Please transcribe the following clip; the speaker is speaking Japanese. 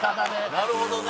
なるほどね。